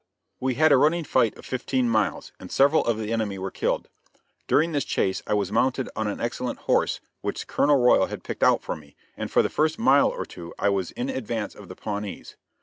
We had a running fight of fifteen miles, and several of the enemy were killed. During this chase I was mounted on an excellent horse, which Colonel Royal had picked out for me, and for the first mile or two I was in advance of the Pawnees.